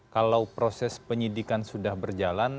kalau proses penyidikan sudah berjalan